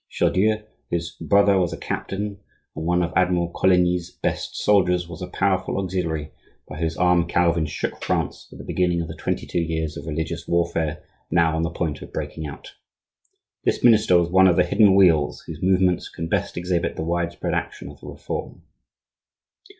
Chaudieu, whose brother was a captain and one of Admiral Coligny's best soldiers, was a powerful auxiliary by whose arm Calvin shook France at the beginning of the twenty two years of religious warfare now on the point of breaking out. This minister was one of the hidden wheels whose movements can best exhibit the wide spread action of the Reform.